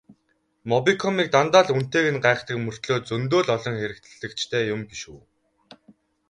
Мобикомыг дандаа л үнэтэйг нь гайхдаг мөртөө зөндөө л олон хэрэглэгчтэй юм биш үү?